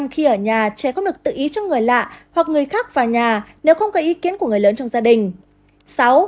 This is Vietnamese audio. khi ở nhà trẻ không được tự ý cho người lạ hoặc người khác vào nhà nếu không có ý kiến của người lớn trong gia đình